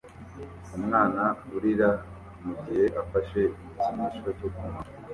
Umwana urira mugihe afashe igikinisho cye kumunwa